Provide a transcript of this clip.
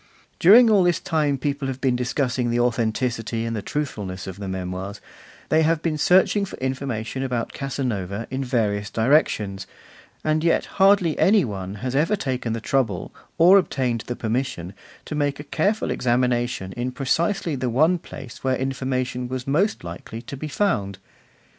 During all this time people have been discussing the authenticity and the truthfulness of the Memoirs, they have been searching for information about Casanova in various directions, and yet hardly any one has ever taken the trouble, or obtained the permission, to make a careful examination in precisely the one place where information was most likely to be found.